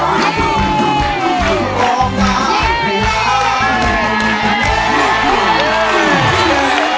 ร้องได้ร้องได้ร้องได้ร้องได้ร้องได้